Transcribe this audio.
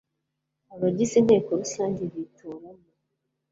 abagize inteko rusange bitoramo